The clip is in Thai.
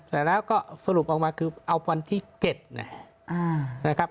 แต่แล้วก็สรุปออกมาคือเอาวันที่๗นะครับ